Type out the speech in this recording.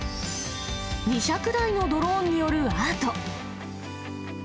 ２００台のドローンによるアート。